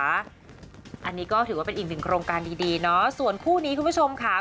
อันนี้ก็ถือว่าเป็นอีกหนึ่งโครงการดีเนาะส่วนคู่นี้คุณผู้ชมค่ะ